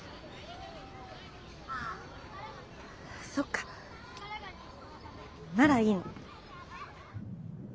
そっかならいいの。